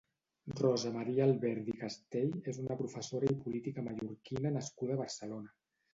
Rosamaria Alberdi Castell és una professora i política mallorquina nascuda a Barcelona.